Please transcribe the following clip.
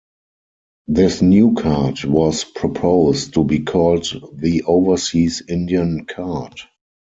This new card was proposed to be called the Overseas Indian Card.